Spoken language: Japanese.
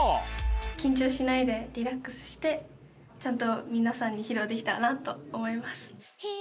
緊張しないでリラックスしてちゃんと皆さんに披露できたらなと思います。